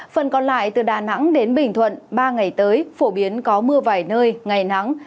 phần còn lại từ đà nẵng đến bình thuận ba ngày tới phổ biến có mưa vài nơi ngày nắng